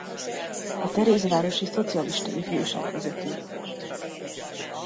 A Terézvárosi szocialista ifjúság vezetője volt.